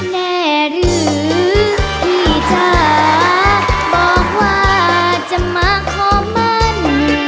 แน่หรือที่เธอบอกว่าจะมาคอมมัน